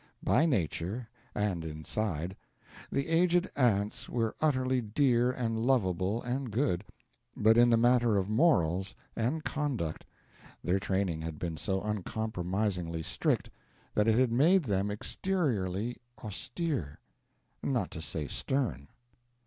By nature and inside the aged aunts were utterly dear and lovable and good, but in the matter of morals and conduct their training had been so uncompromisingly strict that it had made them exteriorly austere, not to say stern.